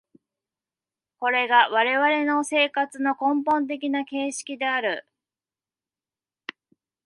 これが我々の生活の根本的な形式である。